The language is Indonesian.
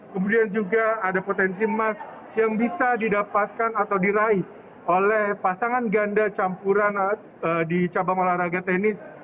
kemudian juga ada potensi emas yang bisa didapatkan atau diraih oleh pasangan ganda campuran di cabang olahraga tenis